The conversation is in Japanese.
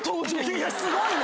いやすごいな。